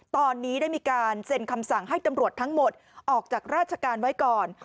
ตอนนี้ได้มีการเซ็นคำสั่งให้ตำรวจทั้งหมดออกจากราชการไว้ก่อน